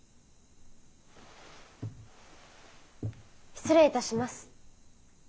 失礼いたします。